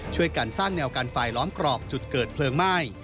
ช่วยกันสร้างแนวกันไฟล้อมกรอบจุดเกิดเพลิงไหม้